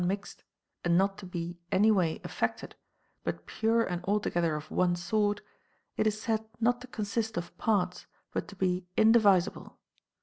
mixed, and not to be any way affected, but pure and alto gether of one sort, it is said not to consist of parts, but to be indivisible.